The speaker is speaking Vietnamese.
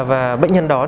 và bệnh nhân đó